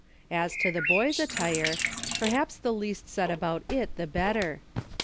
As to the boy's attire, perhaps the least said about it the better.